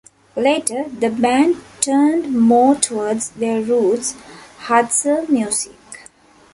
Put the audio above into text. Later the band turned more towards their roots - Hutzul-music.